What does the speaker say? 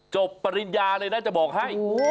ปริญญาเลยนะจะบอกให้